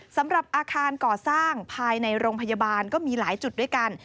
สำหรับอาคารก่อสร้างภายในโรงพยาบาลก็มีหลายจุดด้วยกัน